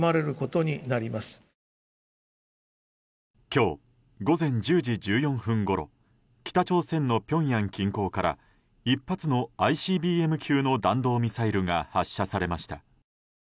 今日、午前１０時１４分ごろ北朝鮮のピョンヤン近郊から１発のＩＣＢＭ級の弾道ミサイルが発射されました。